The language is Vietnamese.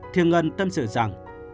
thiêng ngân tâm sự rằng